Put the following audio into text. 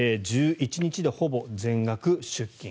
１１日でほぼ全額出金。